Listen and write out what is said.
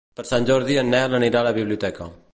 Per Sant Jordi en Nel anirà a la biblioteca.